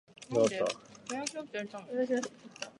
僕もそうだ